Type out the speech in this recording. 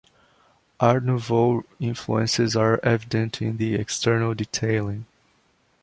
Art Nouveau influences are evident in the external detailing.